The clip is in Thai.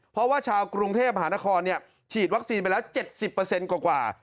เพราะว่าชาวกรุงเทพมหานครเนี่ยฉีดวัคซีนไปแล้วเจ็ดสิบเปอร์เซ็นต์กว่ากว่า